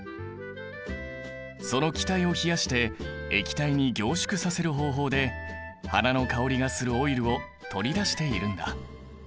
その気体を冷やして液体に凝縮させる方法で花の香りがするオイルを取り出しているんだ。